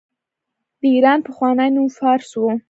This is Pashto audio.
د ایران پخوانی نوم فارس و.